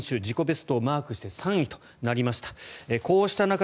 自己ベストをマークして３位となりました。